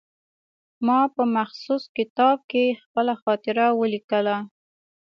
ما په مخصوص کتاب کې خپله خاطره ولیکله.